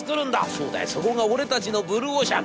『そうだよそこが俺たちのブルーオーシャン。